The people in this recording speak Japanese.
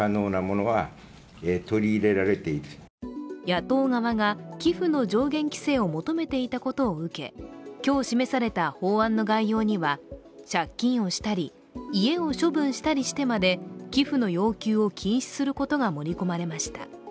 野党側が寄付の上限規制を求めていたことを受け、今日示された法案の概要には、借金をしたり、家を処分したりしてまで寄付の要求を禁止することが盛り込まれました。